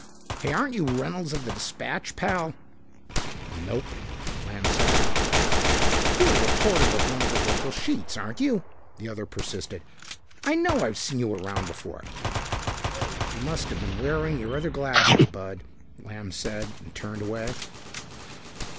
"Hey, aren't you Reynolds of the Dispatch, pal?" "Nope," Lamb said. "You're a reporter with one of the local sheets, aren't you?" the other persisted. "I know I've seen you around before." "You must have been wearing your other glasses, Bud," Lamb said and turned away.